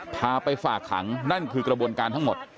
พาไปฝากขังนั่นคือกระบวนการทั้งหมด